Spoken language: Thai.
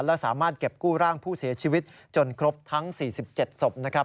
และสามารถเก็บกู้ร่างผู้เสียชีวิตจนครบทั้ง๔๗ศพนะครับ